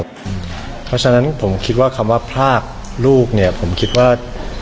เพราะฉะนั้นผมคิดว่าคำว่าพรากลูกเนี่ยผมคิดว่า